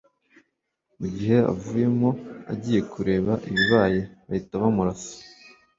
mu gihe avuyemo agiye kureba ibibaye bahita bamurasa